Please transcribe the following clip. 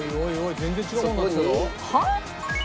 全然違う。